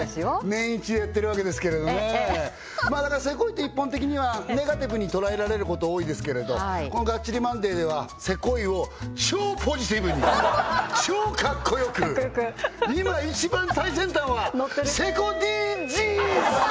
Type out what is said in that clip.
年イチでやってるわけですけれどね「セコい」って一般的にはネガティブに捉えられること多いですけれどこの「がっちりマンデー！！」では「セコい」を超ポジティブに超かっこよくかっこよく今一番最先端はノッてるセコＤＧｓ！